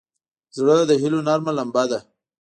زړه د هيلو نرمه لمبه ده.